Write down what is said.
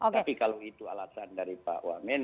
tapi kalau itu alasan dari pak wamen